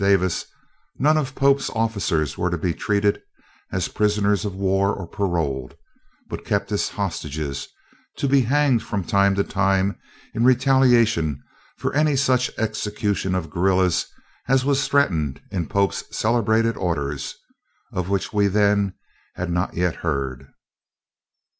Davis, none of Pope's officers were to be treated as prisoners of war or paroled, but kept as hostages to be hanged from time to time in retaliation for any such execution of guerrillas as was threatened in Pope's celebrated orders, of which we then had not yet heard.